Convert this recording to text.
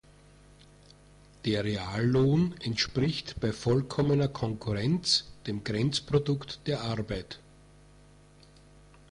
Der Reallohn entspricht bei vollkommener Konkurrenz dem Grenzprodukt der Arbeit.